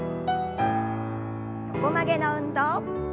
横曲げの運動。